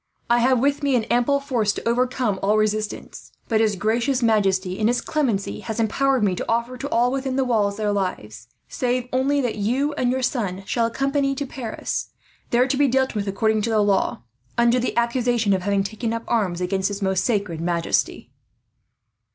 I have with me an ample force to overcome all resistance; but his gracious majesty, in his clemency, has empowered me to offer to all within the walls their lives; save only that you and your son shall accompany me to Paris, there to be dealt with according to the law, under the accusation of having taken up arms against his most sacred majesty."